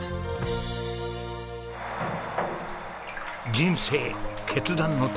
人生決断の時。